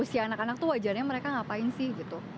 usia anak anak tuh wajarnya mereka ngapain sih gitu